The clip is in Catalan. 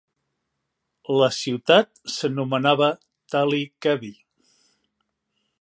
La ciutat s'anomenava Tally Cavey.